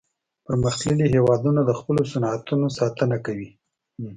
پرمختللي هیوادونه د خپلو صنعتونو ساتنه کوي